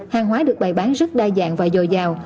hàng hóa được bày bán rất đa dạng và dồi dào